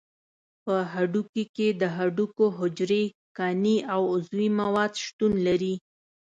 په هډوکي کې د هډوکو حجرې، کاني او عضوي مواد شتون لري.